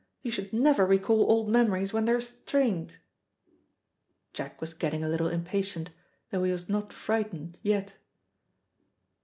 You should never recall old memories when they are strained." Jack was getting a little impatient, though he was not frightened yet.